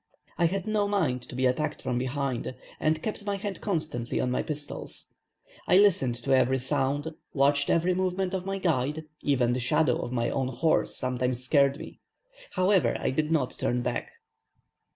I had no mind to be attacked from behind, and kept my hand constantly on my pistols. I listened to every sound, watched every movement of my guide, even the shadow of my own horse sometimes scared me; however, I did not turn back.